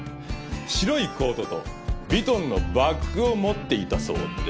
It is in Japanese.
白いコートとヴィトンのバッグを持っていたそうです。